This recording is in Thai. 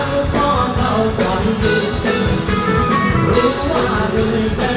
มาสู้บ้างเหลือใหญ่หลือเดอง